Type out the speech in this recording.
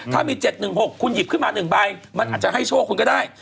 ถ้ามี๗๑๖คุณหยิบขึ้นมา๑ใบมันอาจจะให้โชคคุณก็ได้